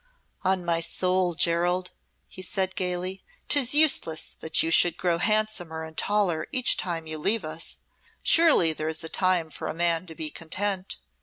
"On my soul, Gerald," he said, gaily, "'tis useless that you should grow handsomer and taller each time you leave us. Surely, there is a time for a man to be content.